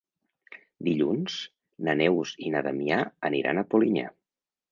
Dilluns na Neus i na Damià aniran a Polinyà.